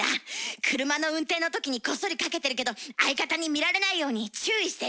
車の運転のときにこっそりかけてるけど相方に見られないように注意してる。